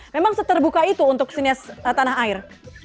memang seterbuka itu untuk sinias tanah air